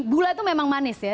gula itu memang manis ya